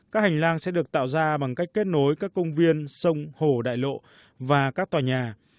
các hành lang sẽ được tạo ra bằng cách kết nối các công viên sông hồ đại lộ và các tòa nhà